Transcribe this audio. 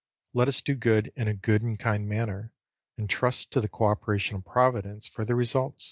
Let us do good in a good and kind manner, and trust to the co operation of Providence for the result.